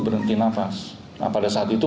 berhenti nafas nah pada saat itu